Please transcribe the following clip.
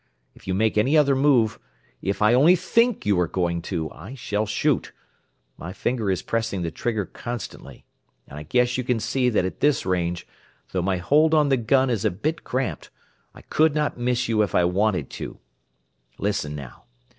If you make any other move, if I only think you are going to, I shall shoot. My finger is pressing the trigger constantly. And I guess you can see that at this range, though my hold on the gun is a bit cramped, I could not miss you if I wanted to. "Listen, now.